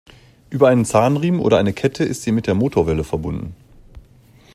Über einen Zahnriemen oder eine Kette ist sie mit der Motorwelle verbunden.